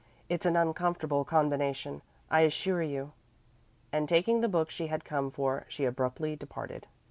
"It's an uncomfortable combination, I assure you," and taking the book she had come for, she abruptly departed.